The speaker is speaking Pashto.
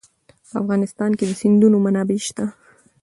په افغانستان کې د سیندونه منابع شته.